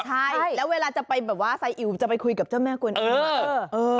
ใช่แล้วเวลาจะไปมาเจ้าแม่กวนอิ่ม